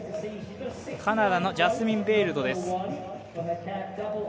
カナダのジャスミン・ベイルドです